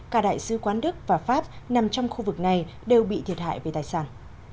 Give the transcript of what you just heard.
cả đại sứ quán đức và pháp nằm trong khu vực này đều bị thiệt hại về tài sản